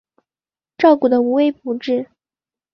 照顾得无微不至